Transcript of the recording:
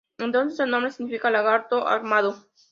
Entonces el nombre significaría "lagarto armado".